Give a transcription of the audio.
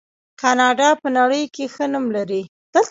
کاناډا په نړۍ کې ښه نوم لري.